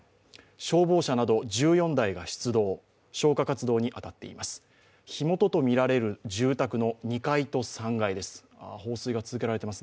消防車など１４台が出動消火活動に当たっています。